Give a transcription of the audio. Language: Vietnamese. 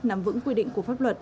nắm vững quy định của pháp luật